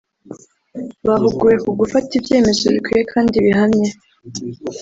Bahuguwe ku gufata ibyemezo bikwiye kandi bihamye